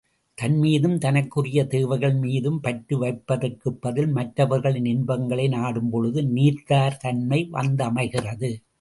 தன்மீதும் தனக்குரிய தேவைகள் மீதும் பற்று வைப்பதற்குப் பதில், மற்றவர்களின் இன்பங்களை நாடும்பொழுது நீத்தார் தன்மை வந்தமைகிறது.